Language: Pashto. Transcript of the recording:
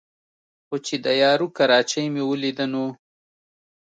خو چې د یارو کراچۍ مې ولېده نو